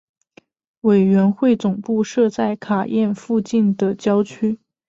委员会总部设在卡宴附近的郊区。